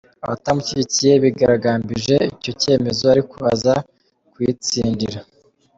Abatamushyigikiye bigaragambirije icyo cyemezo ariko aza kuyitsindira.